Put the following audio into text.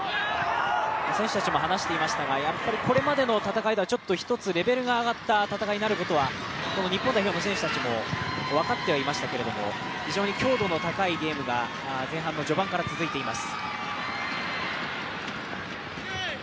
選手たちも話していましたが、これまでの戦いと、１つレベルが上がった戦いになることは日本代表の選手たちも分かってはいましたけれども、非常に強度の高いゲームが前半の序盤から続いています。